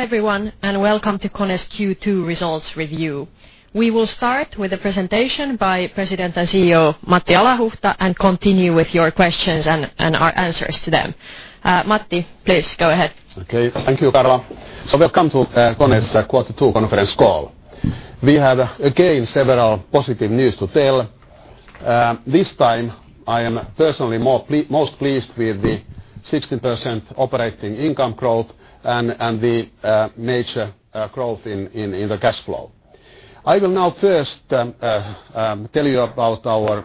Hello, everyone. Welcome to KONE's Q2 results review. We will start with a presentation by President and CEO Matti Alahuhta, and continue with your questions and our answers to them. Matti, please, go ahead. Okay. Thank you, Carla. Welcome to KONE's quarter two conference call. We have, again, several positive news to tell. This time, I am personally most pleased with the 16% operating income growth and the major growth in the cash flow. I will now first tell you about the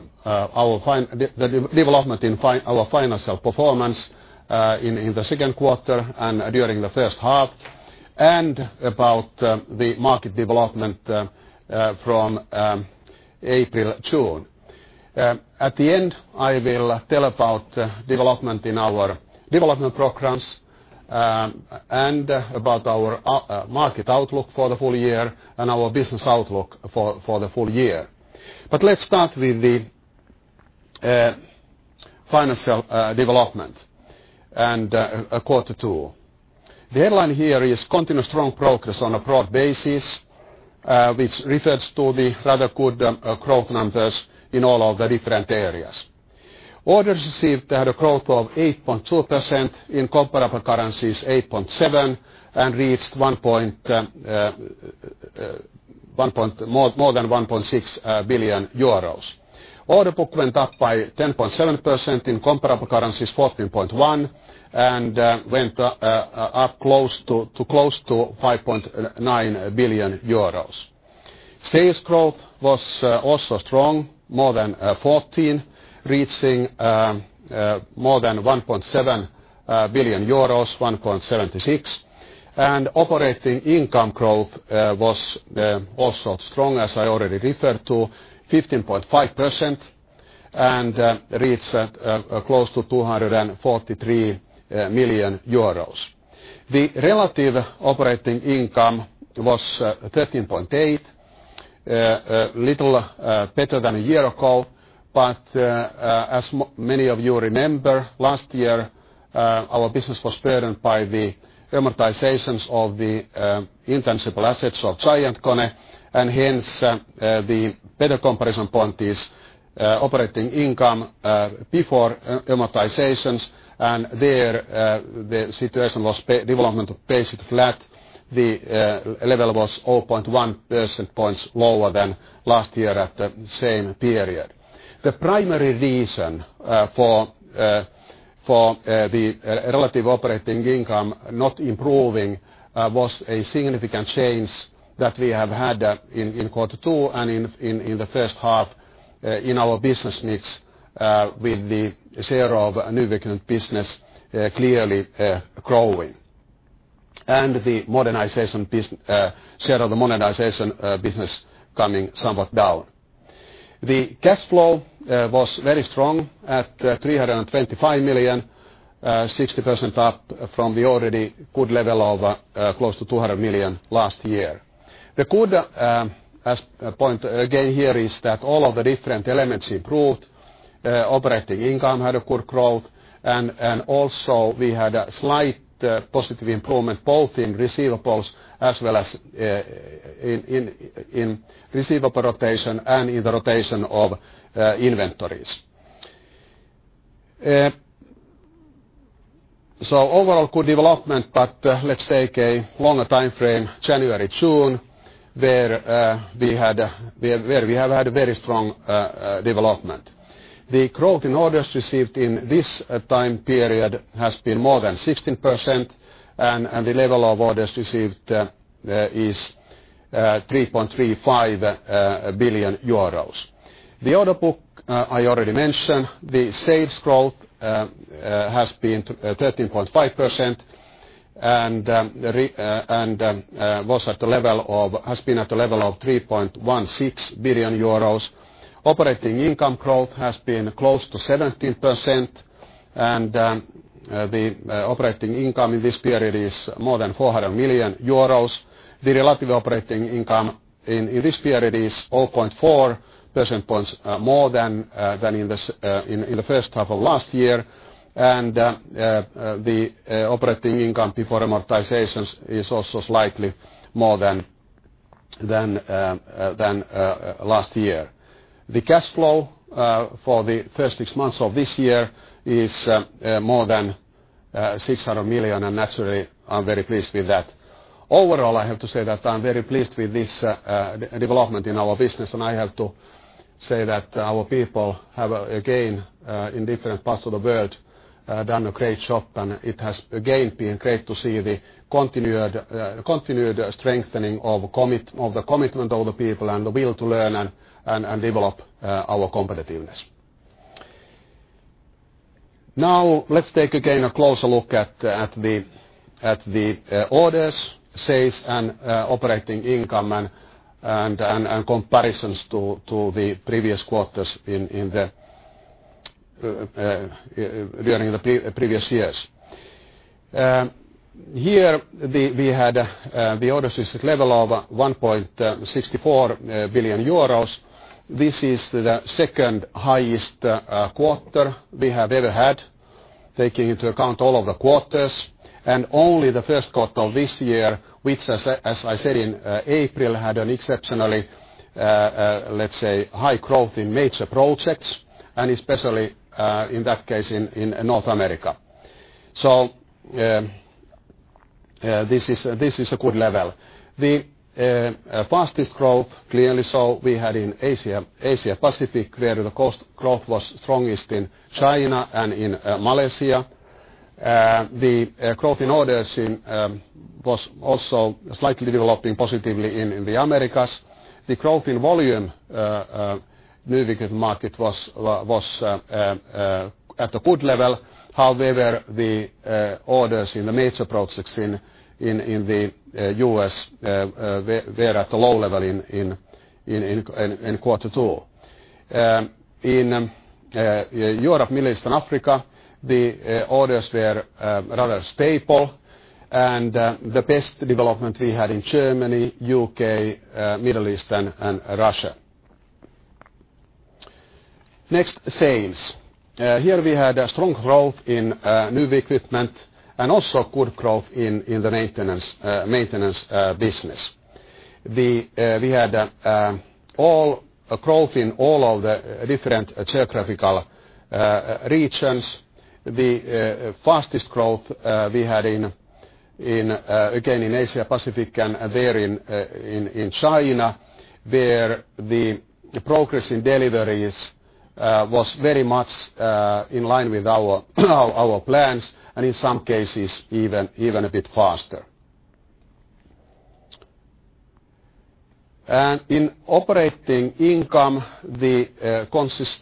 development in our financial performance in the second quarter and during the first half, and about the market development from April to June. At the end, I will tell about development in our development programs, and about our market outlook for the full year, and our business outlook for the full year. Let's start with the financial development and quarter two. The headline here is continuous strong progress on a broad basis, which refers to the rather good growth numbers in all of the different areas. Orders received had a growth of 8.2%, in comparable currencies, 8.7%, and reached more than 1.6 billion euros. Order book went up by 10.7%, in comparable currencies, 14.1%, and went up to close to 5.9 billion euros. Sales growth was also strong, more than 14%, reaching more than 1.7 billion euros, 1.76 billion, and operating income growth was also strong, as I already referred to, 15.5%, and reached close to 243 million euros. The relative operating income was 13.8%, a little better than a year ago. As many of you remember, last year, our business was burdened by the amortizations of the intangible assets of GiantKONE. Hence, the better comparison point is operating income before amortizations. There, the development was basically flat. The level was 0.1% points lower than last year at the same period. The primary reason for the relative operating income not improving was a significant change that we have had in quarter two and in the first half in our business mix, with the share of new business clearly growing. The share of the modernization business coming somewhat down. The cash flow was very strong at 325 million, 60% up from the already good level of close to 200 million last year. The good point, again, here is that all of the different elements improved. Operating income had a good growth, and also we had a slight positive improvement both in receivables as well as in receivable rotation and in the rotation of inventories. Overall, good development, but let's take a longer timeframe, January, June, where we have had a very strong development. The growth in orders received in this time period has been more than 16%, the level of orders received is 3.35 billion euros. The order book I already mentioned. The sales growth has been 13.5% and has been at the level of 3.16 billion euros. Operating income growth has been close to 17%, the operating income in this period is more than 400 million euros. The relative operating income in this period is 0.4% points more than in the first half of last year. The operating income before amortizations is also slightly more than last year. The cash flow for the first six months of this year is more than 600 million, naturally, I'm very pleased with that. Overall, I have to say that I'm very pleased with this development in our business, I have to say that our people have, again, in different parts of the world, done a great job. It has, again, been great to see the continued strengthening of the commitment of the people and the will to learn and develop our competitiveness. Let's take again a closer look at the orders, sales, and operating income, and comparisons to the previous quarters during the previous years. Here, we had the order system level of 1.64 billion euros. This is the second highest quarter we have ever had, taking into account all of the quarters, only the first quarter of this year, which, as I said in April, had an exceptionally high growth in major projects, and especially in that case, in North America. This is a good level. The fastest growth clearly we had in Asia. Asia-Pacific, clearly the growth was strongest in China and in Malaysia. The growth in orders was also slightly developing positively in the Americas. The growth in volume moving equipment market was at a good level. However, the orders in the major projects in the U.S. were at a low level in quarter two. In Europe, Middle East, and Africa, the orders were rather stable, the best development we had in Germany, U.K., Middle East, and Russia. Next, sales. Here we had a strong growth in new equipment and also good growth in the maintenance business. We had a growth in all of the different geographical regions. The fastest growth we had again in Asia-Pacific and there in China, where the progress in deliveries was very much in line with our plans and in some cases, even a bit faster. In operating income,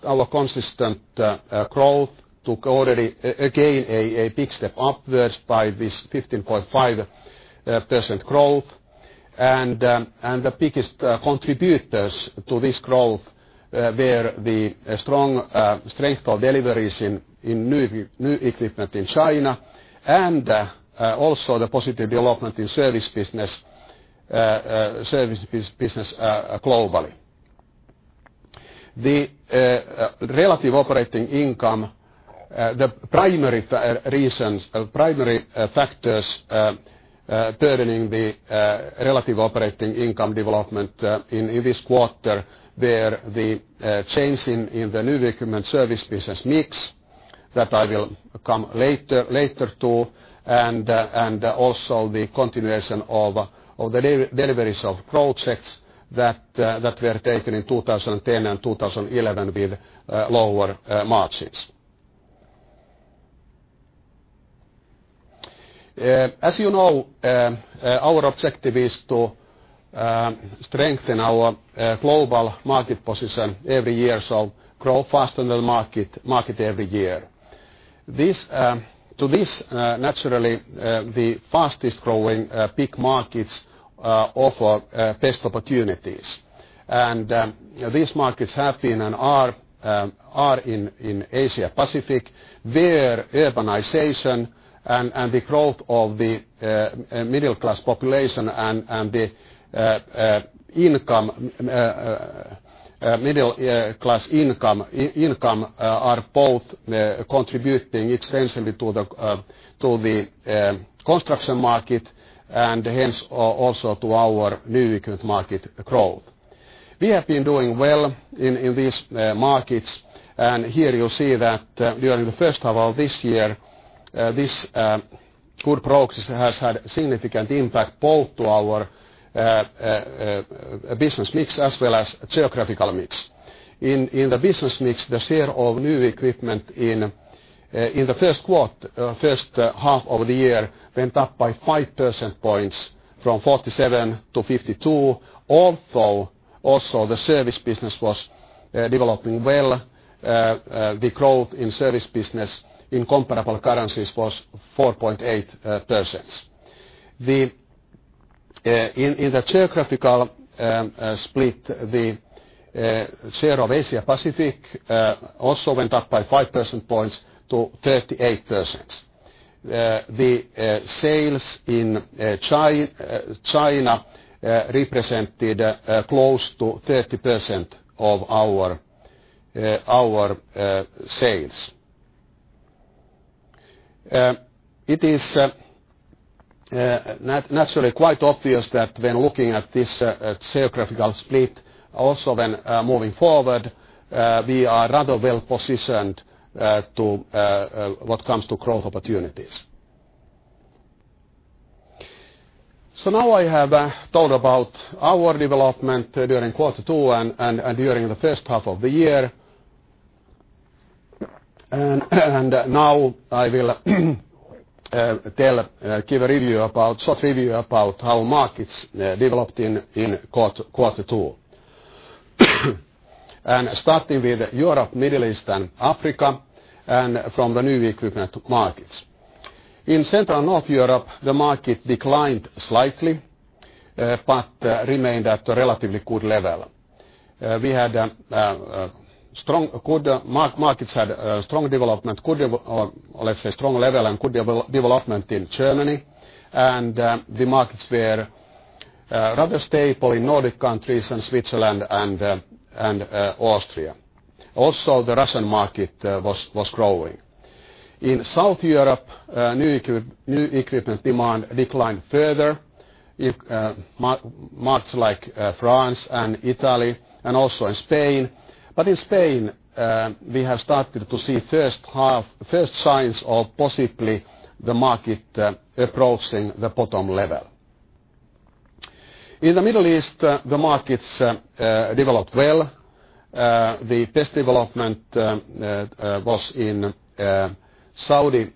our consistent growth took already, again, a big step upwards by this 15.5% growth. The biggest contributors to this growth were the strength of deliveries in new equipment in China and also the positive development in service business globally. The primary factors burdening the relative operating income development in this quarter were the change in the new equipment service business mix, that I will come later to, and also the continuation of the deliveries of projects that were taken in 2010 and 2011 with lower margins. As you know, our objective is to strengthen our global market position every year, grow faster than the market every year. To this, naturally, the fastest growing peak markets offer best opportunities. These markets have been and are in Asia-Pacific, where urbanization and the growth of the middle class population and the middle class income are both contributing extensively to the construction market and hence also to our new equipment market growth. We have been doing well in these markets, and here you will see that during the first half of this year, this good progress has had significant impact both to our business mix as well as geographical mix. In the business mix, the share of new equipment in the first half of the year went up by 5% points from 47-52. Although also the service business was developing well, the growth in service business in comparable currencies was 4.8%. In the geographical split, the share of Asia-Pacific also went up by 5% points to 38%. The sales in China represented close to 30% of our sales. It is naturally quite obvious that when looking at this geographical split, also when moving forward, we are rather well positioned when it comes to growth opportunities. Now I have talked about our development during quarter two and during the first half of the year. Now I will give a short review about how markets developed in quarter two. Starting with Europe, Middle East, and Africa, and from the new equipment markets. In Central and North Europe, the market declined slightly, but remained at a relatively good level. Markets had a strong development, let's say strong level and good development in Germany, and the markets were rather stable in Nordic countries and Switzerland and Austria. Also, the Russian market was growing. In South Europe, new equipment demand declined further in markets like France and Italy, and also in Spain. In Spain, we have started to see first signs of possibly the market approaching the bottom level. In the Middle East, the markets developed well. The best development was in Saudi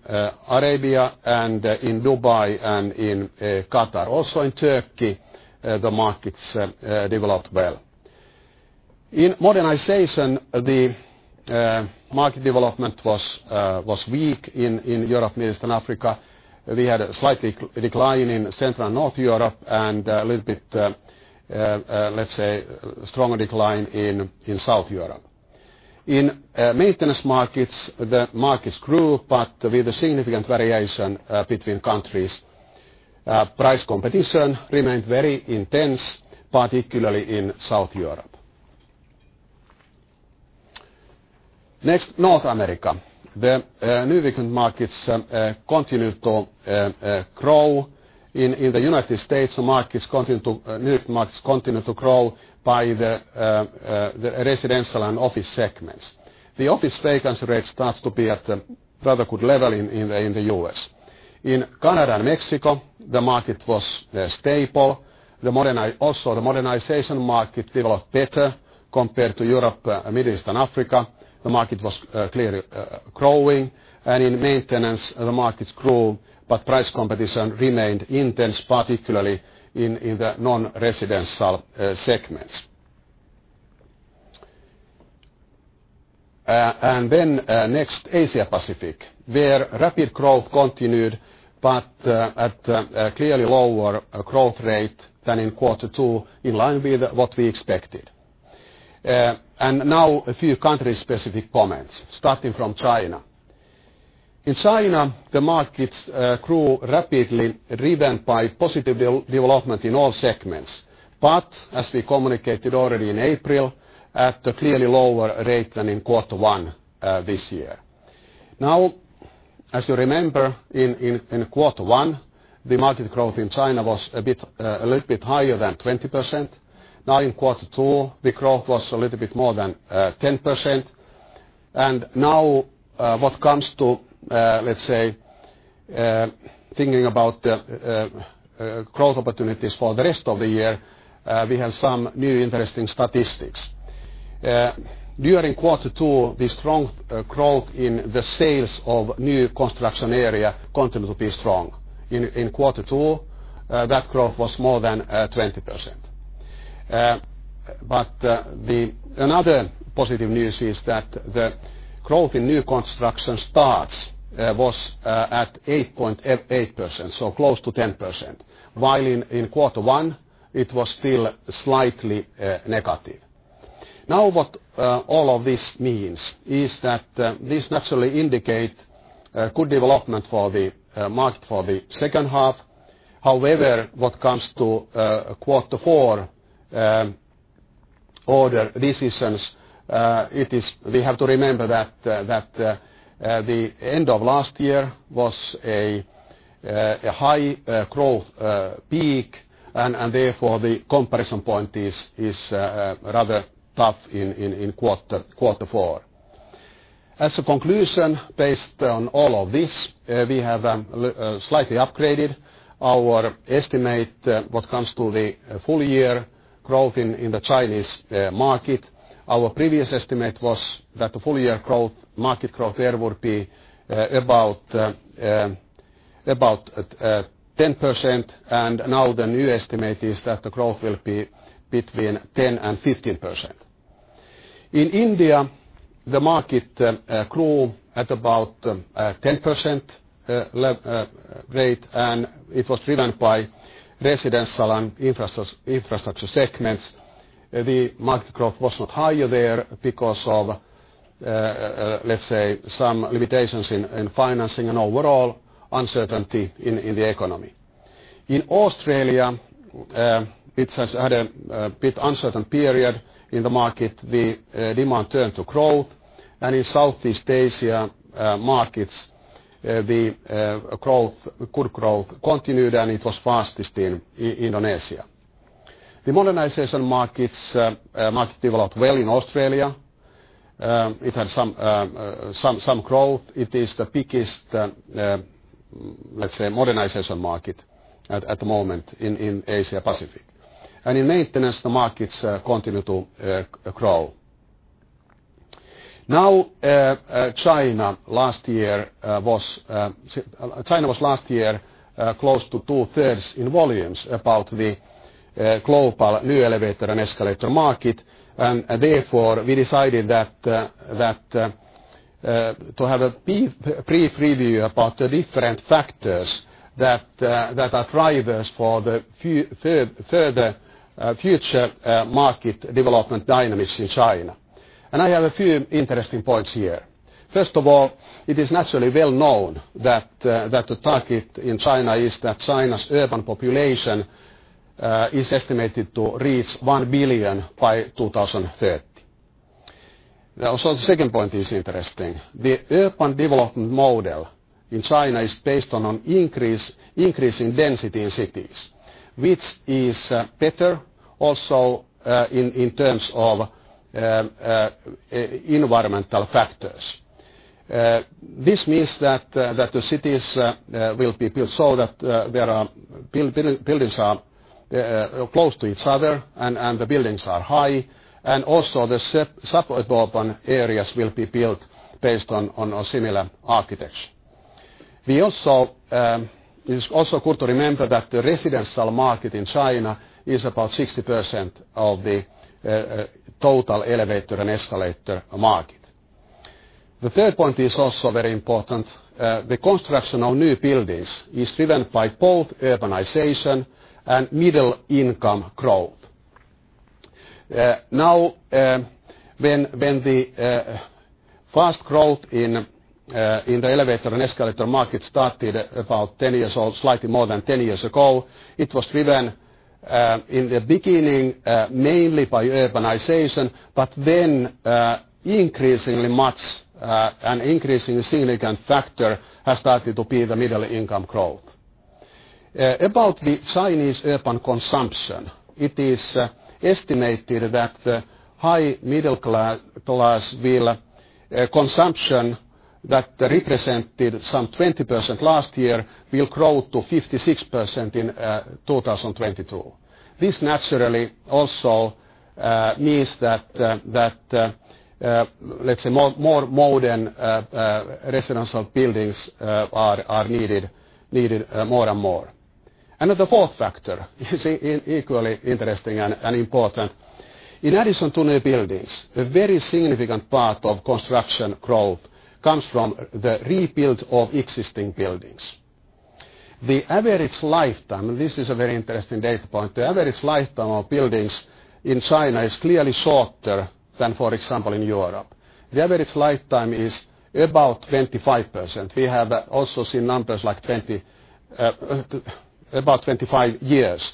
Arabia and in Dubai and in Qatar. Also in Turkey, the markets developed well. In modernization, the market development was weak in Europe, Middle East, and Africa. We had a slight decline in Central and North Europe and a little bit, let's say, stronger decline in South Europe. In maintenance markets, the markets grew, but with a significant variation between countries. Price competition remained very intense, particularly in South Europe. Next, North America. The new equipment markets continued to grow in the U.S. New equipment markets continued to grow by the residential and office segments. The office vacancy rate starts to be at a rather good level in the U.S. In Canada and Mexico, the market was stable. Also, the modernization market developed better compared to Europe, Middle East, and Africa. The market was clearly growing, and in maintenance, the markets grew, but price competition remained intense, particularly in the non-residential segments. Next, Asia-Pacific, where rapid growth continued, but at a clearly lower growth rate than in quarter two, in line with what we expected. Now a few country-specific comments, starting from China. In China, the markets grew rapidly, driven by positive development in all segments. As we communicated already in April, at a clearly lower rate than in quarter one this year. As you remember, in quarter one, the market growth in China was a little bit higher than 20%. In quarter two, the growth was a little bit more than 10%. Now what comes to, let's say, thinking about growth opportunities for the rest of the year, we have some new interesting statistics. During quarter two, the strong growth in the sales of new construction area continued to be strong. In quarter two, that growth was more than 20%. Another positive news is that the growth in new construction starts was at 8.8%, so close to 10%, while in quarter one, it was still slightly negative. What all of this means is that this naturally indicate good development for the market for the second half. However, what comes to quarter four order decisions, we have to remember that the end of last year was a high growth peak, and therefore the comparison point is rather tough in quarter four. As a conclusion, based on all of this, we have slightly upgraded our estimate when it comes to the full year growth in the Chinese market. Our previous estimate was that the full year market growth there would be about 10%, and now the new estimate is that the growth will be between 10% and 15%. In India, the market grew at about a 10% rate, and it was driven by residential and infrastructure segments. The market growth was not higher there because of, let's say, some limitations in financing and overall uncertainty in the economy. In Australia, it has had a bit uncertain period in the market. The demand turned to growth. In Southeast Asia markets, the good growth continued, and it was fastest in Indonesia. The modernization markets developed well in Australia. It had some growth. It is the biggest, let's say, modernization market at the moment in Asia Pacific. In maintenance, the markets continue to grow. China was last year close to two-thirds in volumes about the global new elevator and escalator market, and therefore we decided to have a brief preview about the different factors that are drivers for the further future market development dynamics in China. I have a few interesting points here. First of all, it is naturally well known that the target in China is that China's urban population is estimated to reach 1 billion by 2030. Also the second point is interesting. The urban development model in China is based on increasing density in cities, which is better also in terms of environmental factors. This means that the cities will be built so that buildings are close to each other and the buildings are high and also the suburban areas will be built based on a similar architecture. It is also good to remember that the residential market in China is about 60% of the total elevator and escalator market. The third point is also very important. The construction of new buildings is driven by both urbanization and middle-income growth. When the fast growth in the elevator and escalator market started about 10 years or slightly more than 10 years ago, it was driven in the beginning mainly by urbanization, but then increasingly much, an increasing significant factor has started to be the middle-income growth. About the Chinese urban consumption, it is estimated that the high middle-class consumption that represented some 20% last year will grow to 56% in 2022. This naturally also means that, let's say, more modern residential buildings are needed more and more. The fourth factor is equally interesting and important. In addition to new buildings, a very significant part of construction growth comes from the rebuild of existing buildings. The average lifetime, and this is a very interesting data point, the average lifetime of buildings in China is clearly shorter than, for example, in Europe. The average lifetime is about 25 years. We have also seen numbers like about 25 years.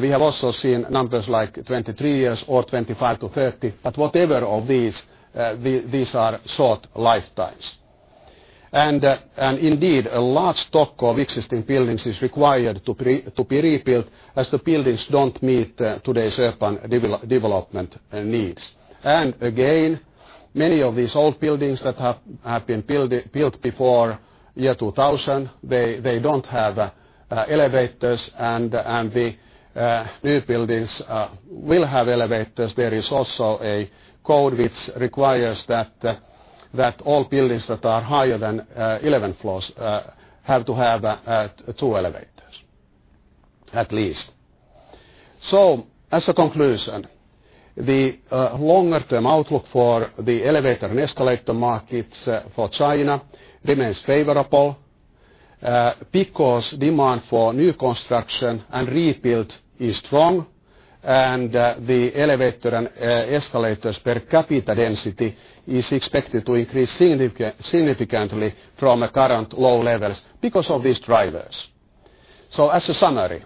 We have also seen numbers like 23 years or 25 to 30. Whatever of these are short lifetimes. Indeed, a large stock of existing buildings is required to be rebuilt as the buildings don't meet today's urban development needs. Again, many of these old buildings that have been built before year 2000, they don't have elevators and the new buildings will have elevators. There is also a code which requires that all buildings that are higher than 11 floors have to have two elevators at least. As a conclusion, the longer-term outlook for the elevator and escalator markets for China remains favorable because demand for new construction and rebuild is strong and the elevator and escalators per capita density is expected to increase significantly from current low levels because of these drivers. As a summary,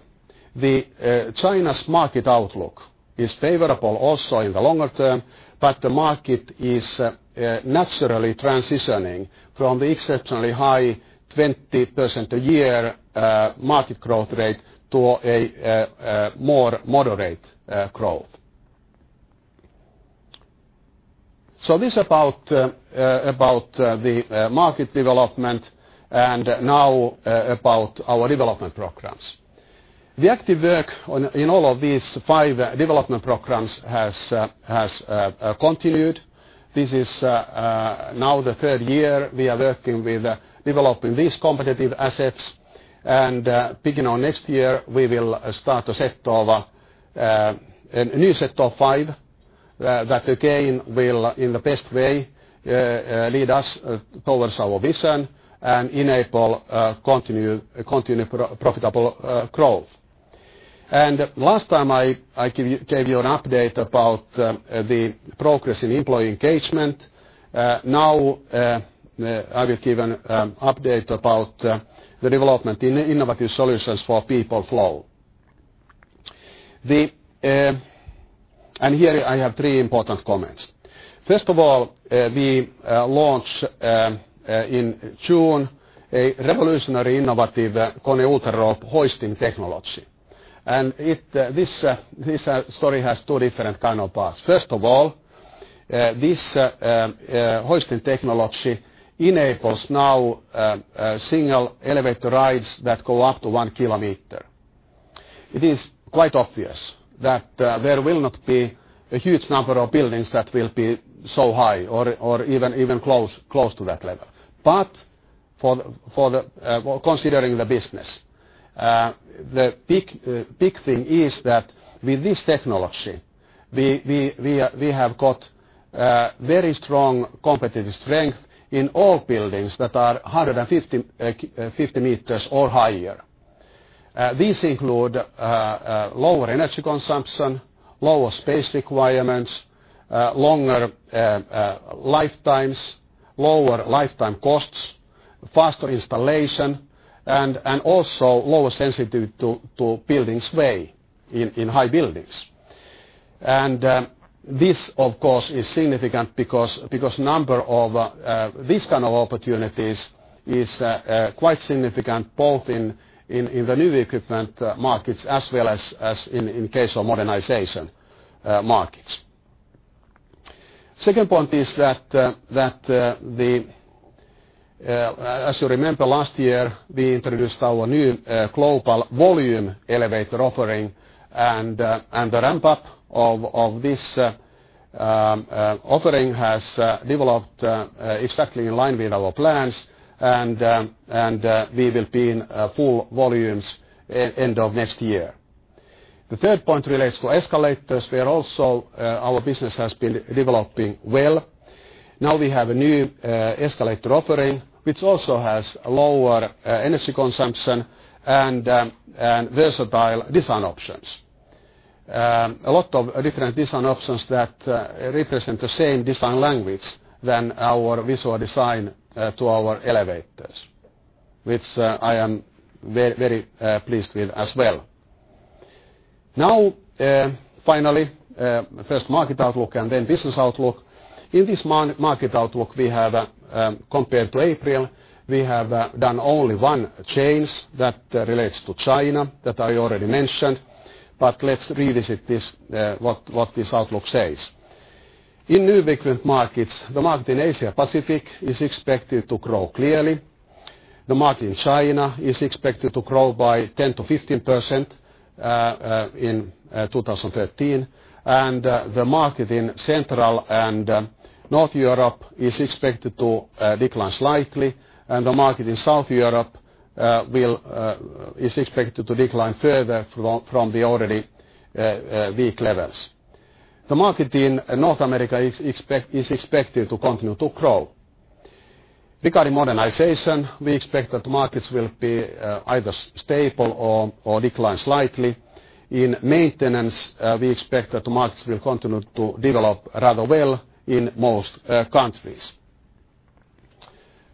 China's market outlook is favorable also in the longer term, but the market is naturally transitioning from the exceptionally high 20% a year market growth rate to a more moderate growth. This about the market development and now about our development programs. The active work in all of these five development programs has continued. This is now the third year we are working with developing these competitive assets. Beginning next year, we will start a new set of five that again will in the best way lead us towards our vision and enable continued profitable growth. Last time I gave you an update about the progress in employee engagement. Now, I will give an update about the development in innovative solutions for people flow. Here I have three important comments. First of all, we launched in June a revolutionary innovative KONE UltraRope hoisting technology. This story has two different kind of parts. First of all, this hoisting technology enables now single elevator rides that go up to one kilometer. It is quite obvious that there will not be a huge number of buildings that will be so high or even close to that level. Considering the business, the big thing is that with this technology, we have got very strong competitive strength in all buildings that are 150 meters or higher. These include lower energy consumption, lower space requirements, longer lifetimes, lower lifetime costs, faster installation and also lower sensitivity to building sway in high buildings. This of course is significant because number of these kind of opportunities is quite significant both in the new equipment markets as well as in case of modernization markets. Second point is that, as you remember, last year we introduced our new global volume elevator offering and the ramp-up of this offering has developed exactly in line with our plans and we will be in full volumes end of next year. The third point relates to escalators. Our business has been developing well. We have a new escalator offering which also has lower energy consumption and versatile design options. A lot of different design options that represent the same design language than our visual design to our elevators which I am very pleased with as well. Finally, first market outlook and then business outlook. In this market outlook we have compared to April, we have done only one change that relates to China that I already mentioned. Let's revisit what this outlook says. In new equipment markets, the market in Asia Pacific is expected to grow clearly. The market in China is expected to grow by 10%-15% in 2013 and the market in Central and North Europe is expected to decline slightly and the market in South Europe is expected to decline further from the already weak levels. The market in North America is expected to continue to grow. Regarding modernization, we expect that markets will be either stable or decline slightly. In maintenance, we expect that markets will continue to develop rather well in most countries.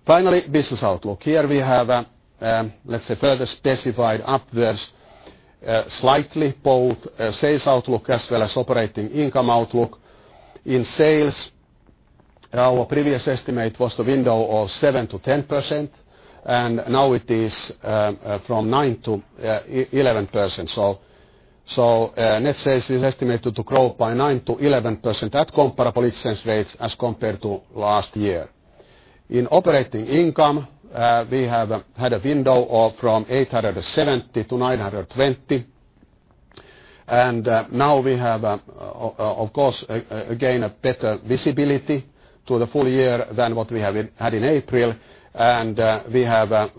Finally, business outlook. We have, let's say, further specified upwards slightly both sales outlook as well as operating income outlook. In sales, our previous estimate was the window of 7%-10% and now it is from 9%-11%. Net sales is estimated to grow by 9%-11% at comparable exchange rates as compared to last year. In operating income, we have had a window from 870-920. We have, of course, again a better visibility to the full year than what we have had in April and we have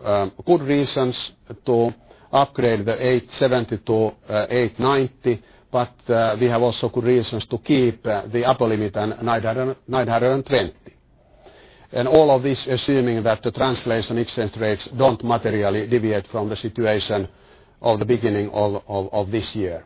good reasons to upgrade the 870-890. We have also good reasons to keep the upper limit at 920. All of this assuming that the translation exchange rates don't materially deviate from the situation of the beginning of this year.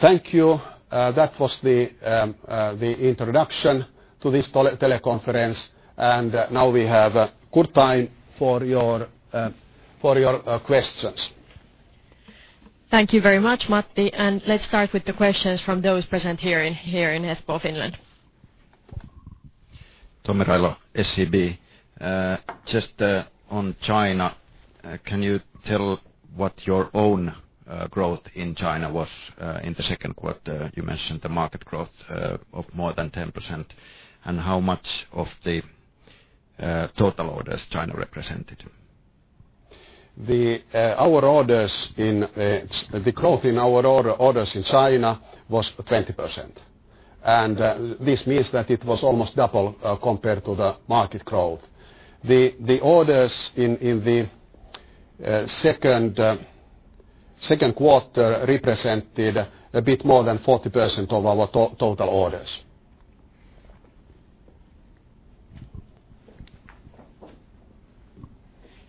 Thank you. That was the introduction to this teleconference and we have good time for your questions. Thank you very much, Matti. Let's start with the questions from those present here in Espoo, Finland. Tomi Railo, SEB. Just on China, can you tell what your own growth in China was in the second quarter? You mentioned the market growth of more than 10% and how much of the total orders China represented. The growth in our orders in China was 20% and this means that it was almost double compared to the market growth. The orders in the second quarter represented a bit more than 40% of our total orders.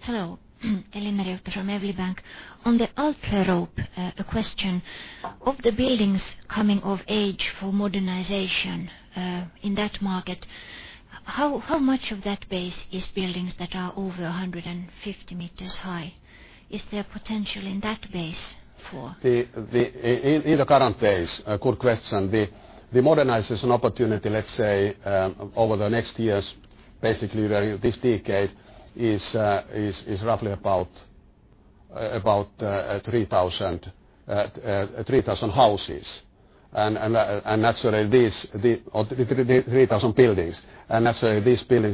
Hello. Elina Ruuttu from Evli Bank. On the UltraRope, a question. Of the buildings coming of age for modernization in that market, how much of that base is buildings that are over 150 meters high? Is there potential in that base? In the current phase, a good question. The modernization opportunity, let's say, over the next years, basically this decade is roughly about 3,000 houses and naturally these 3,000 buildings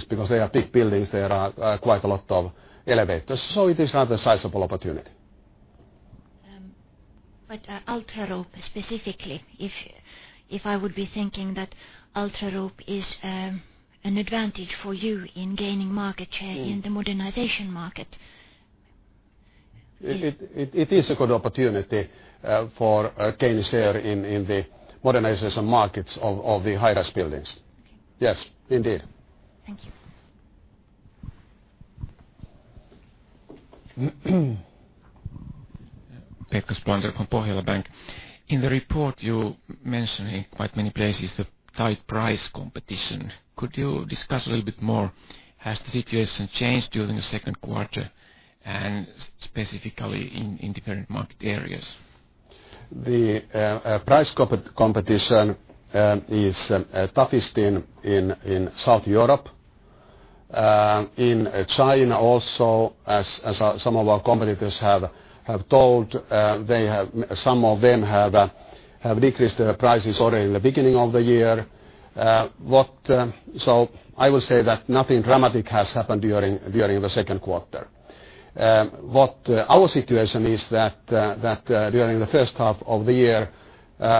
because they are big buildings there are quite a lot of elevators so it is not a sizable opportunity. UltraRope specifically, if I would be thinking that UltraRope is an advantage for you in gaining market share in the modernization market. It is a good opportunity for gaining share in the modernization markets of the high-rise buildings. Okay. Yes, indeed. Thank you. Pekka Spolander from Pohjola Bank. In the report you mention in quite many places the tight price competition. Could you discuss a little bit more, has the situation changed during the second quarter and specifically in different market areas? The price competition is toughest in South Europe. In China also, as some of our competitors have told, some of them have decreased their prices already in the beginning of the year. I will say that nothing dramatic has happened during the second quarter. What our situation is that during the first half of the year,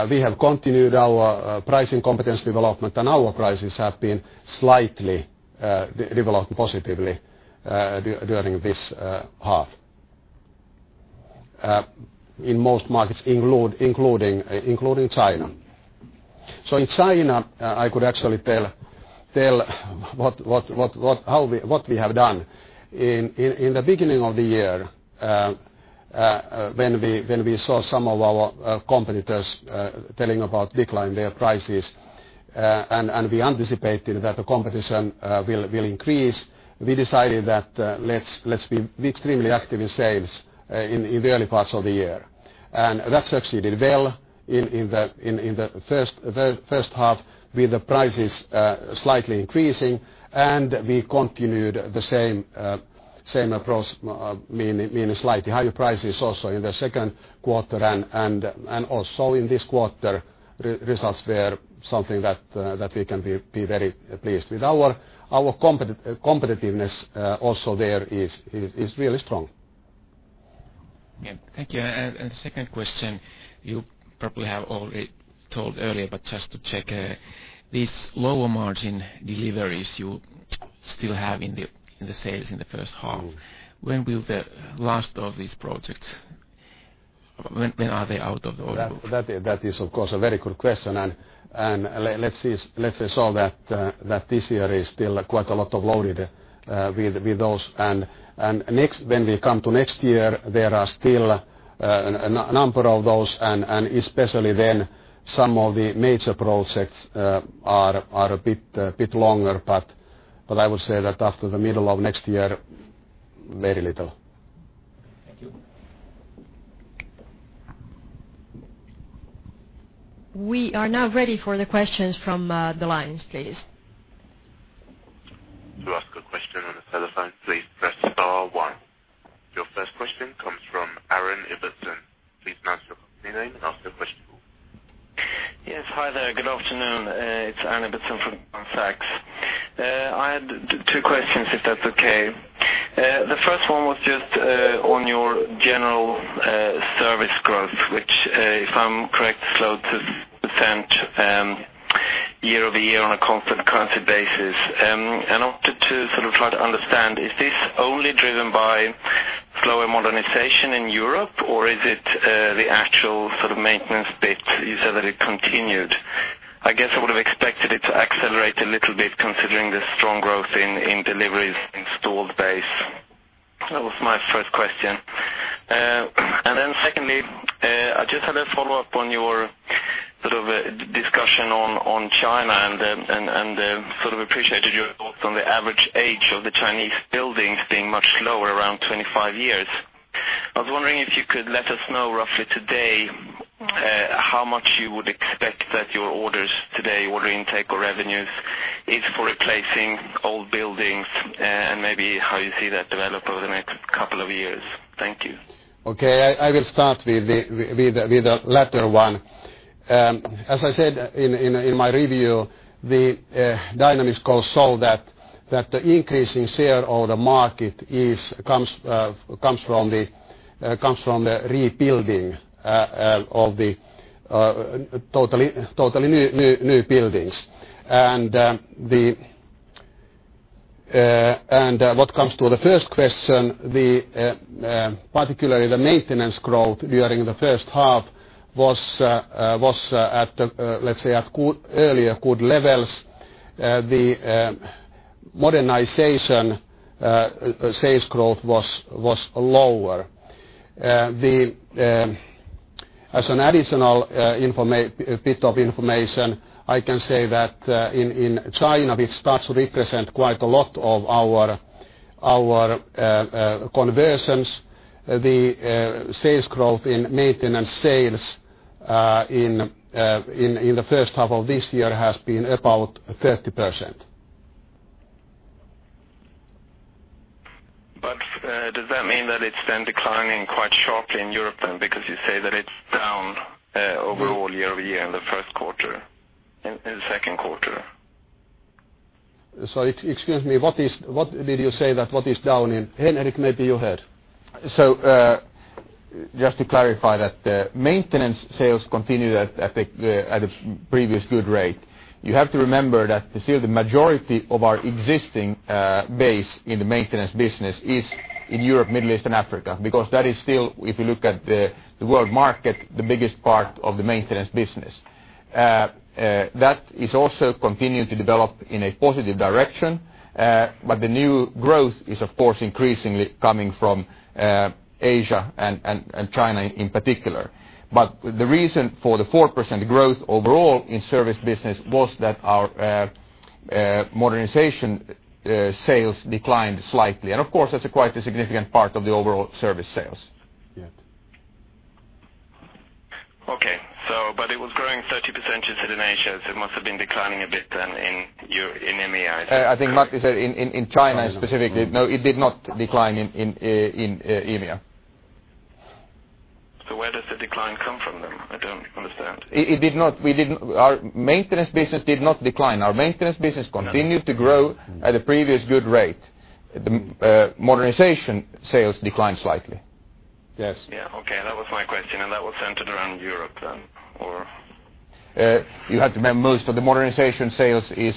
we have continued our pricing competence development, and our prices have been slightly developed positively during this half in most markets including China. In China, I could actually tell what we have done. In the beginning of the year, when we saw some of our competitors telling about decline their prices, and we anticipated that the competition will increase, we decided that let's be extremely active in sales in the early parts of the year. That succeeded well in the first half with the prices slightly increasing, and we continued the same approach, meaning slightly higher prices also in the second quarter and also in this quarter, results were something that we can be very pleased with. Our competitiveness also there is really strong. Yeah. Thank you. Second question, you probably have already told earlier, but just to check. These lower margin deliveries you still have in the sales in the first half. When will the last of these projects, when are they out of the order book? Let's say so that this year is still quite a lot loaded with those. When we come to next year, there are still a number of those. Especially then some of the major projects are a bit longer. I would say that after the middle of next year, very little. Thank you. We are now ready for the questions from the lines, please. To ask a question on the telephone, please press star one. Your first question comes from Andreas Koski. Please announce your company name and ask your question. Yes. Hi there. Good afternoon. It's Andreas Koski from Goldman Sachs. I had two questions, if that's okay. The first one was just on your general service growth, which, if I'm correct, [slowed to percent] year-over-year on a constant currency basis. I wanted to sort of try to understand, is this only driven by slower modernization in Europe, or is it the actual sort of maintenance bit, you said that it continued. I guess I would've expected it to accelerate a little bit considering the strong growth in deliveries, installed base. That was my first question. Secondly, I just had a follow-up on your sort of discussion on China and sort of appreciated your thoughts on the average age of the Chinese buildings being much lower, around 25 years. I was wondering if you could let us know roughly today how much you would expect that your orders today, order intake or revenues, is for replacing old buildings and maybe how you see that develop over the next couple of years. Thank you. Okay. I will start with the latter one. As I said in my review, the dynamics go slow that the increase in share of the market comes from the rebuilding of the totally new buildings. What comes to the first question, particularly the maintenance growth during the first half was at, let's say at earlier good levels. The modernization sales growth was lower. As an additional bit of information, I can say that in China, which starts to represent quite a lot of our conversions, the sales growth in maintenance sales in the first half of this year has been about 30%. Does that mean that it's then declining quite sharply in Europe then? Because you say that it's down overall year-over-year in the first quarter, in the second quarter. Sorry, excuse me. What did you say that what is down in? Henrik, maybe you heard. Just to clarify that maintenance sales continued at its previous good rate. You have to remember that still the majority of our existing base in the maintenance business is in Europe, Middle East, and Africa. That is still, if you look at the world market, the biggest part of the maintenance business. That is also continuing to develop in a positive direction. The new growth is, of course, increasingly coming from Asia and China in particular. The reason for the 4% growth overall in service business was that our Modernization sales declined slightly. Of course, that's quite a significant part of the overall service sales. Yes. Okay. It was growing 30% just in Asia, so it must have been declining a bit then in EMEA. I think, Matti said in China specifically. No, it did not decline in EMEA. Where does the decline come from then? I don't understand. Our maintenance business did not decline. Our maintenance business continued to grow at a previous good rate. The modernization sales declined slightly. Yes. Yeah. Okay. That was my question, and that was centered around Europe then, or? You have to remember, most of the modernization sales is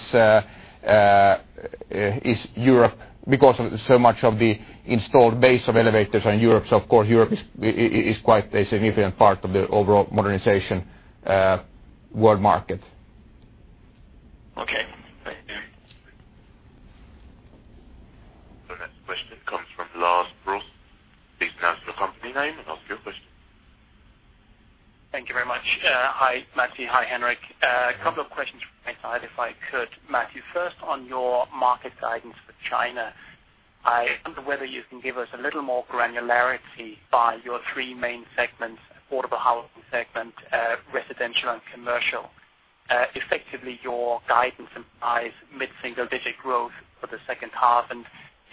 Europe because so much of the installed base of elevators are in Europe. Of course, Europe is quite a significant part of the overall modernization world market. Okay. Thank you. The next question comes from Lars Brorson. Please announce your company name and ask your question. Thank you very much. Hi, Matti. Hi, Henrik. A couple of questions from my side, if I could. Matti, first on your market guidance for China, I wonder whether you can give us a little more granularity by your three main segments, affordable housing segment, residential, and commercial. Effectively, your guidance implies mid-single-digit growth for the second half.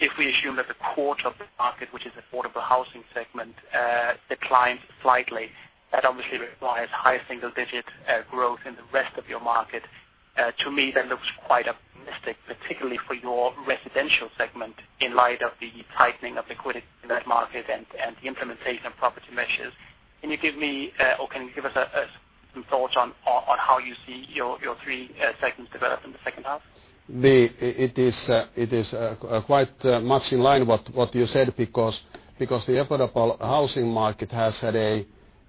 If we assume that the quarter of the market, which is affordable housing segment, declines slightly, that obviously requires high single-digit growth in the rest of your market. To me, that looks quite optimistic, particularly for your residential segment, in light of the tightening of liquidity in that market and the implementation of property measures. Can you give me or can you give us some thoughts on how you see your three segments develop in the second half? It is quite much in line with what you said because the affordable housing market has had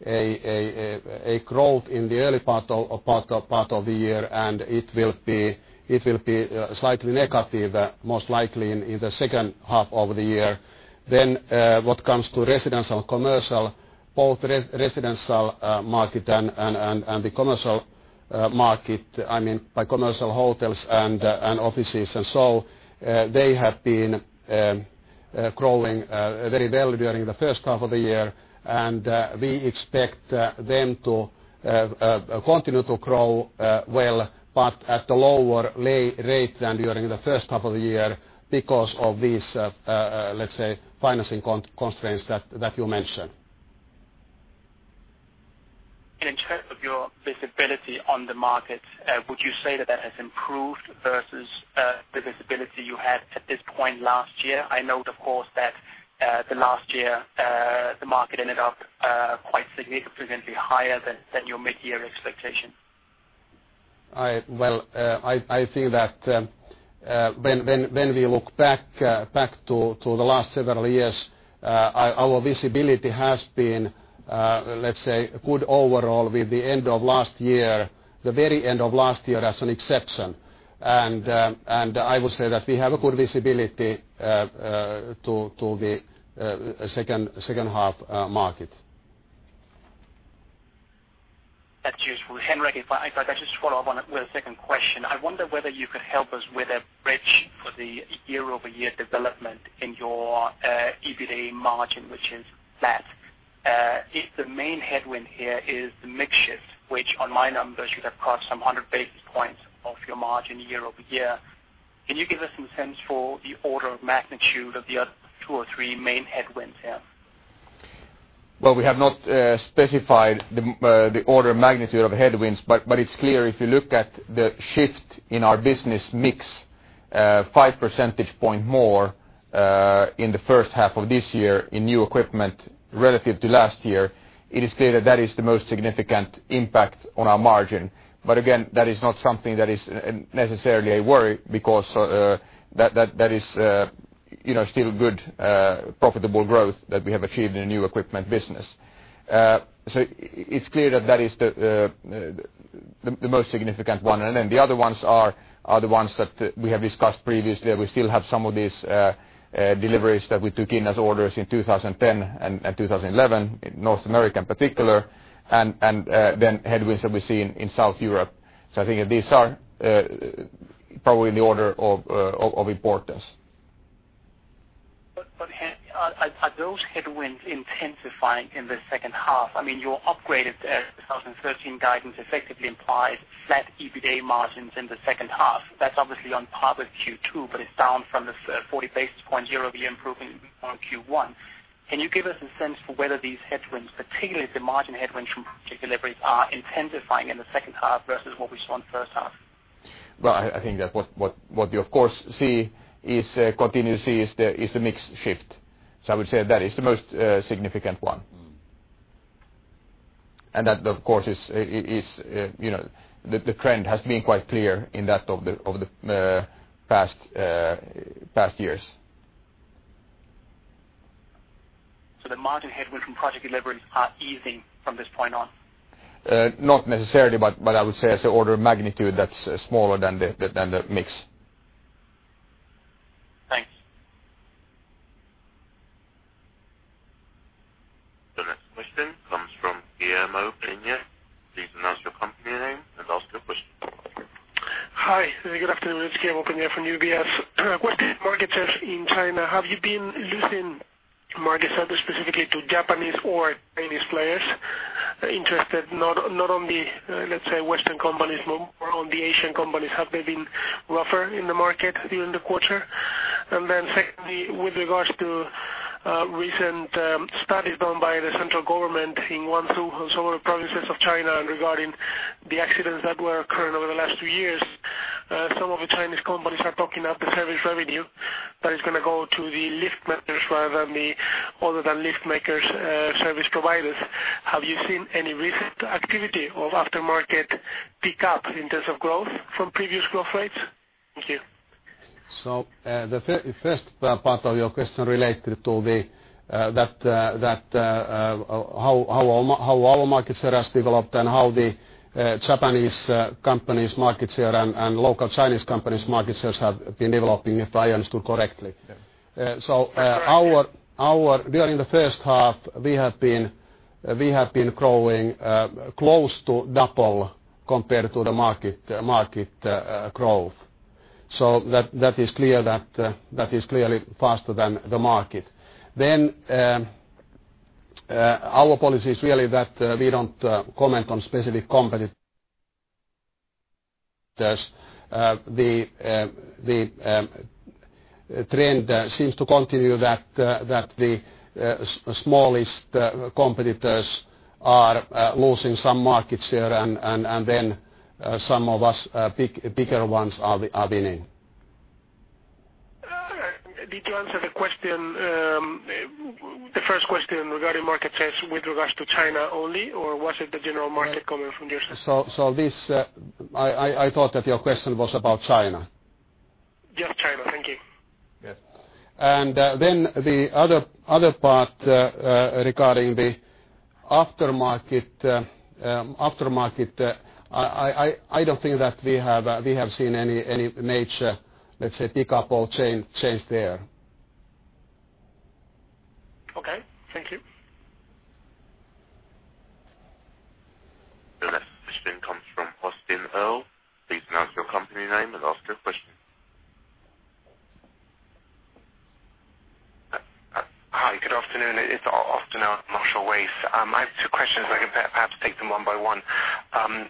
a growth in the early part of the year, and it will be slightly negative, most likely in the second half of the year. What comes to residential and commercial, both residential market and the commercial market, by commercial, hotels and offices and so, they have been growing very well during the first half of the year and we expect them to continue to grow well but at a lower rate than during the first half of the year because of these, let's say, financing constraints that you mentioned. In terms of your visibility on the market, would you say that that has improved versus the visibility you had at this point last year? I know, of course, that the last year the market ended up quite significantly higher than your mid-year expectation. I think that when we look back to the last several years, our visibility has been good overall with the end of last year, the very end of last year as an exception. I would say that we have a good visibility to the second half market. That's useful. Henrik, if I could just follow up with a second question. I wonder whether you could help us with a bridge for the year-over-year development in your EBITDA margin, which is flat. If the main headwind here is the mix shift, which on my numbers should have cost some 100 basis points of your margin year-over-year, can you give us some sense for the order of magnitude of the other two or three main headwinds here? We have not specified the order of magnitude of headwinds, it's clear if you look at the shift in our business mix, five percentage point more in the first half of this year in new equipment relative to last year, it is clear that that is the most significant impact on our margin. Again, that is not something that is necessarily a worry because that is still good profitable growth that we have achieved in the new equipment business. It's clear that is the most significant one. Then the other ones are the ones that we have discussed previously. We still have some of these deliveries that we took in as orders in 2010 and 2011, in North America in particular, then headwinds that we see in South Europe. I think that these are probably in the order of importance. Are those headwinds intensifying in the second half? Your upgraded 2013 guidance effectively implies flat EBITDA margins in the second half. That's obviously on par with Q2, but it's down from this 40 basis point year-over-year improvement on Q1. Can you give us a sense for whether these headwinds, particularly the margin headwinds from project deliveries, are intensifying in the second half versus what we saw in the first half? Well, I think that what you continue to see is the mix shift. I would say that is the most significant one. That, of course, the trend has been quite clear in that over the past years. The margin headwinds from project deliveries are easing from this point on? Not necessarily, but I would say as an order of magnitude, that's smaller than the mix. Thanks. Guillaume Pezin, please announce your company name and ask your question. Hi, good afternoon. It's Guillaume Pezin from UBS. Market share in China, have you been losing market share specifically to Japanese or Chinese players? Interested not only, let's say, Western companies, more on the Asian companies. Have they been rougher in the market during the quarter? Secondly, with regards to recent studies done by the central government in Guangzhou and some other provinces of China regarding the accidents that were occurring over the last two years, some of the Chinese companies are talking up the service revenue that is going to go to the lift makers rather than lift makers' service providers. Have you seen any risk activity of aftermarket pickup in terms of growth from previous growth rates? Thank you. The first part of your question related to how our market share has developed and how the Japanese companies' market share and local Chinese companies' market shares have been developing, if I understood correctly. Yes. During the first half, we have been growing close to double compared to the market growth. That is clearly faster than the market. Our policy is really that we don't comment on specific competitors. The trend seems to continue that the smallest competitors are losing some market share, some of us bigger ones are winning. Did you answer the first question regarding market shares with regards to China only, or was it the general market coming from your side? I thought that your question was about China. Just China. Thank you. Yes. Then the other part regarding the aftermarket, I don't think that we have seen any major, let's say, pickup or change there. Okay, thank you. The next question comes from Austin Earl. Please announce your company name and ask your question. Hi, good afternoon. It is Austin Earl at Marshall Wace. I have two questions. I can perhaps take them one by one.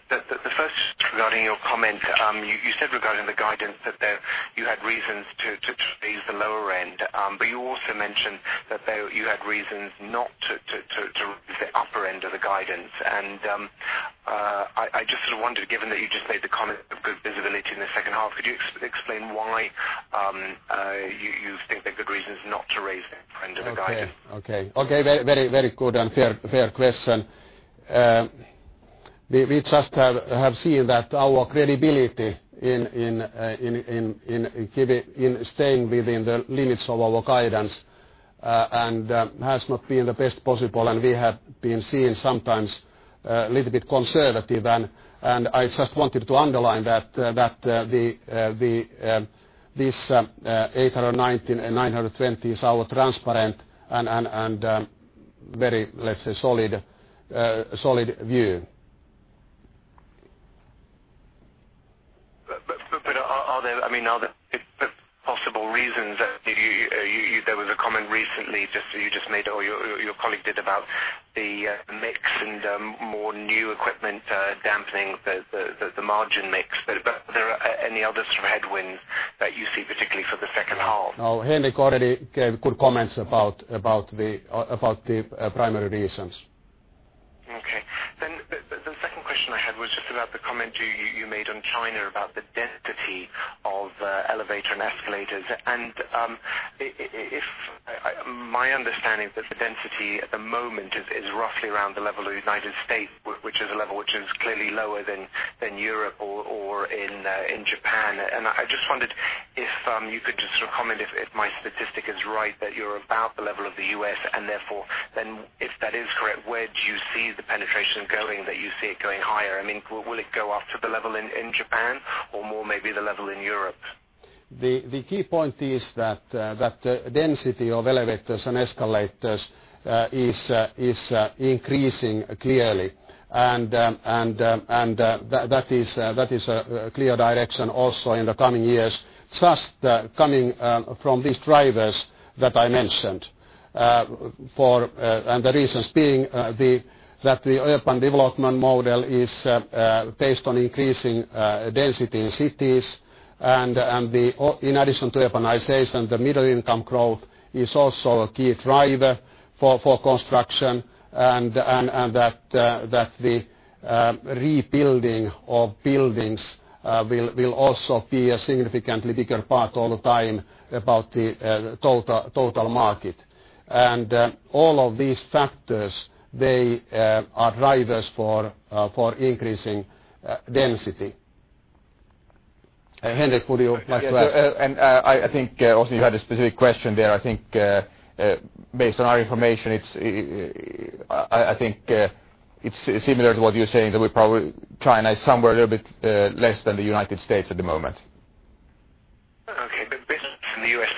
The first regarding your comment, you said regarding the guidance that there you had reasons to raise the lower end. You also mentioned that you had reasons not to raise the upper end of the guidance. I just sort of wondered, given that you just made the comment of good visibility in the second half, could you explain why you think there are good reasons not to raise that end of the guidance? Okay. Very good and fair question. We just have seen that our credibility in staying within the limits of our guidance has not been the best possible. We have been seen sometimes a little bit conservative. I just wanted to underline that this 890 and 920 is our transparent and very, let's say, solid view. Are there possible reasons that there was a comment recently you just made or your colleague did about the mix and more new equipment dampening the margin mix. Are there any other sort of headwinds that you see particularly for the second half? Henrik already gave good comments about the primary reasons. The second question I had was just about the comment you made on China about the density of elevator and escalators. My understanding that the density at the moment is roughly around the level of the United States, which is a level which is clearly lower than Europe or in Japan. I just wondered if you could just sort of comment if my statistic is right that you're about the level of the U.S. and therefore then if that is correct, where do you see the penetration going, that you see it going higher? I mean, will it go up to the level in Japan or more maybe the level in Europe? The key point is that the density of elevators and escalators is increasing clearly. That is a clear direction also in the coming years, just coming from these drivers that I mentioned. The reasons being that the urban development model is based on increasing density in cities and in addition to urbanization, the middle income growth is also a key driver for construction, and that the rebuilding of buildings will also be a significantly bigger part all the time about the total market. All of these factors, they are drivers for increasing density. Henrik, would you like to add? I think also you had a specific question there. I think based on our information, it's similar to what you're saying, that we're probably trying somewhere a little bit less than the U.S. at the moment. In the U.S.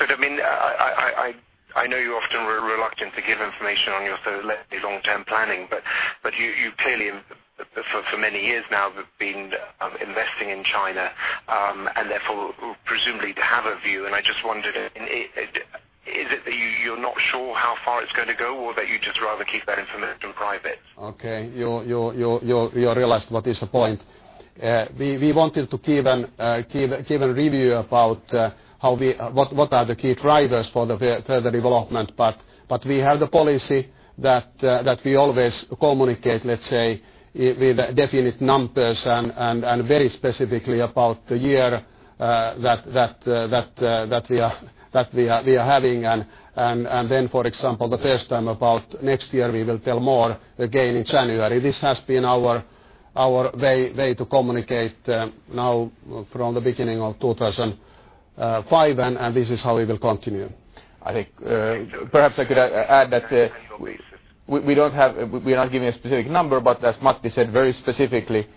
I know you're often reluctant to give information on your lengthy long-term planning, but you clearly, for many years now, have been investing in China, therefore presumably have a view. I just wondered, is it that you're not sure how far it's going to go or that you'd just rather keep that information private? Okay. You realized what is the point. We wanted to give a review about what are the key drivers for the further development, but we have the policy that we always communicate, let's say, with definite numbers and very specifically about the year that we are having. Then, for example, the first time about next year, we will tell more again in January. This has been our way to communicate now from the beginning of 2005, and this is how we will continue. I think perhaps I could add that we're not giving a specific number, but as Matti said very specifically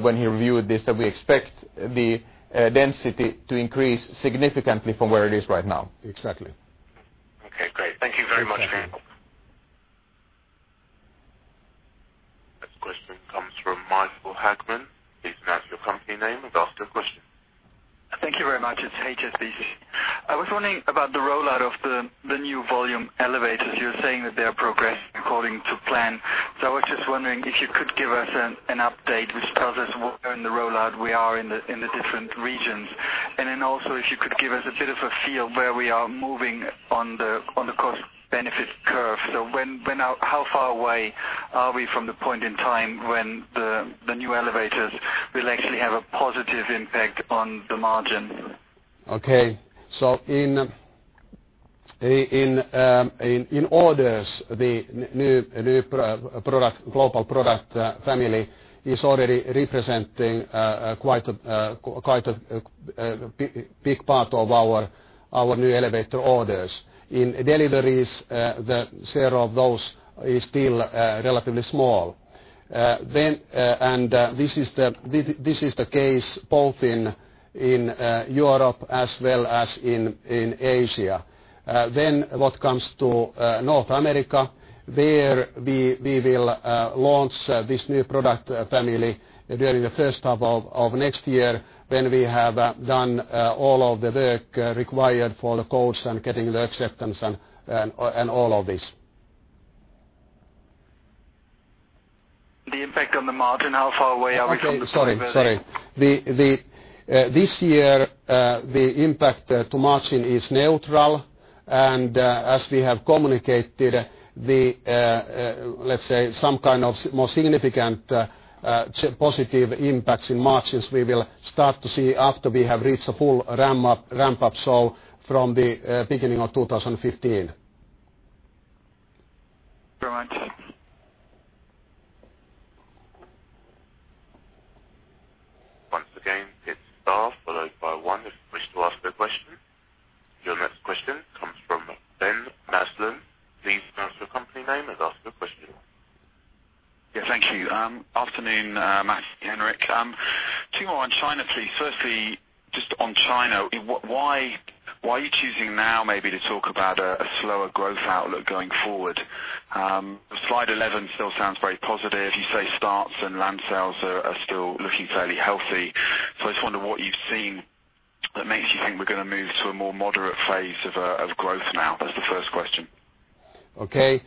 when he reviewed this, that we expect the density to increase significantly from where it is right now. Exactly. Okay, great. Thank you very much for your help. Next question comes from Michael Harleaux. Please announce your company name and ask your question. Thank you very much. It's HSBC. I was wondering about the rollout of the new volume elevators. You're saying that they are progressing according to plan. I was just wondering if you could give us an update which tells us where in the rollout we are in the different regions. Also, if you could give us a bit of a feel where we are moving on the cost-benefit curve. How far away are we from the point in time when the new elevators will actually have a positive impact on the margin? Okay. In orders, the new global product family is already representing quite a big part of our new elevator orders. In deliveries, the share of those is still relatively small. This is the case both in Europe as well as in Asia. What comes to North America, where we will launch this new product family during the first half of next year, when we have done all of the work required for the codes and getting the acceptance and all of this. The impact on the margin, how far away are we? Sorry. This year, the impact to margin is neutral, as we have communicated, let's say, some kind of more significant positive impacts in margins we will start to see after we have reached a full ramp up. From the beginning of 2015. Very much. Once again, hit star followed by one if you wish to ask a question. Your next question comes from Ben Maslen. Please announce your company name and ask your question. Yeah, thank you. Afternoon, Matti and Henrik. Two more on China, please. Firstly, just on China, why are you choosing now maybe to talk about a slower growth outlook going forward? Slide 11 still sounds very positive. You say starts and land sales are still looking fairly healthy. I just wonder what you've seen that makes you think we're going to move to a more moderate phase of growth now. That's the first question. Okay.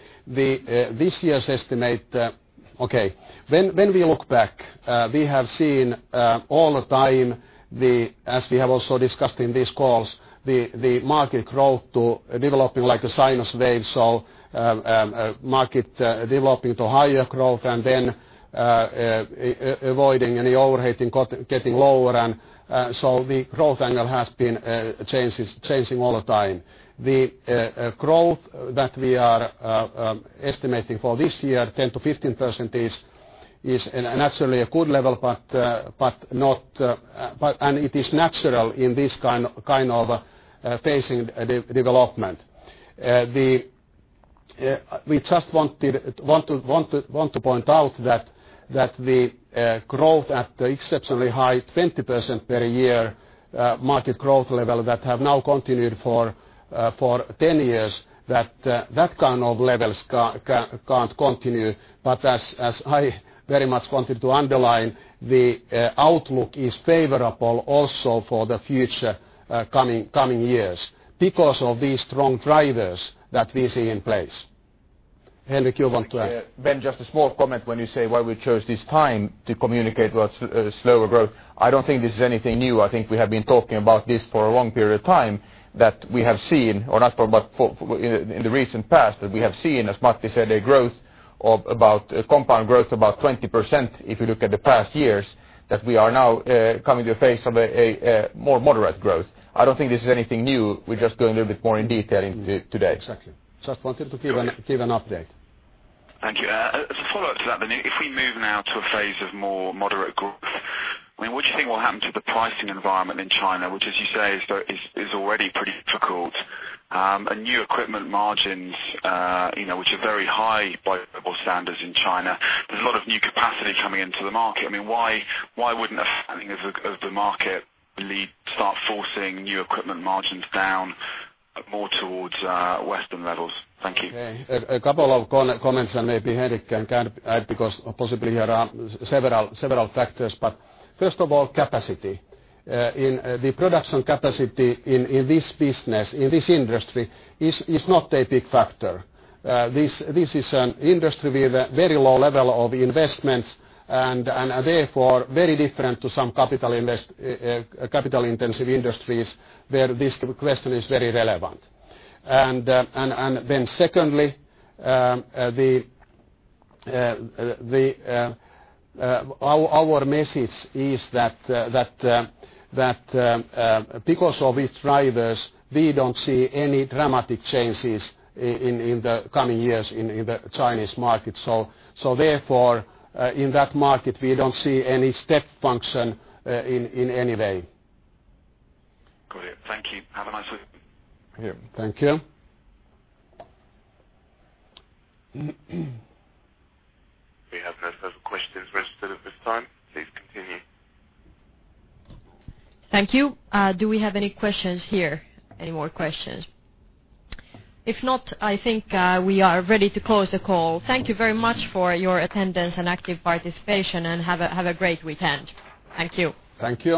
When we look back, we have seen all the time, as we have also discussed in these calls, the market growth developing like a sine wave. Market developing to higher growth and then avoiding any overheating, getting lower, the growth angle has been changing all the time. The growth that we are estimating for this year, 10%-15% is naturally a good level, and it is natural in this kind of pacing development. We just want to point out that the growth at the exceptionally high 20% per year market growth level that have now continued for 10 years, that kind of levels can't continue. As I very much wanted to underline, the outlook is favorable also for the future coming years because of these strong drivers that we see in place. Henrik, you want to add? Ben, just a small comment when you say why we chose this time to communicate slower growth. I don't think this is anything new. I think we have been talking about this for a long period of time, or not for, but in the recent past, that we have seen, as Matti said, a compound growth of about 20% if you look at the past years, that we are now coming to a phase of a more moderate growth. I don't think this is anything new. We're just going a little bit more in detail today. Exactly. Just wanted to give an update. Thank you. As a follow-up to that, if we move now to a phase of more moderate growth, what do you think will happen to the pricing environment in China, which, as you say, is already pretty difficult? New equipment margins which are very high by global standards in China. There's a lot of new capacity coming into the market. Why wouldn't a flattening of the market lead start forcing new equipment margins down more towards Western levels? Thank you. A couple of comments, maybe Henrik can add because possibly there are several factors. First of all, capacity. In the production capacity in this business, in this industry is not a big factor. This is an industry with a very low level of investments and therefore very different to some capital-intensive industries where this question is very relevant. Secondly, our message is that because of its drivers, we don't see any dramatic changes in the coming years in the Chinese market. Therefore, in that market, we don't see any step function in any way. Got it. Thank you. Have a nice day. Yeah. Thank you. We have no further questions registered at this time. Please continue. Thank you. Do we have any questions here? Any more questions? If not, I think we are ready to close the call. Thank you very much for your attendance and active participation, and have a great weekend. Thank you. Thank you.